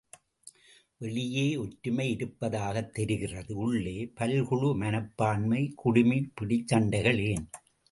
வெளியே ஒற்றுமை இருப்பதாகத் தெரிகிறது உள்ளே பல்குழு மனப்பான்மை குடுமிபிடிச் சண்டைகள் ஏன்?